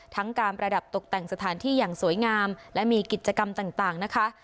การประดับตกแต่งสถานที่อย่างสวยงามและมีกิจกรรมต่างนะคะ